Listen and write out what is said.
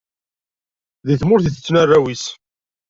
Deg tmurt i tetten arraw-is.